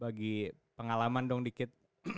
bagi pengalaman dong dikit